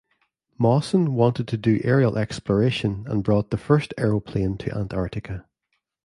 Mawson wanted to do aerial exploration and brought the first aeroplane to Antarctica.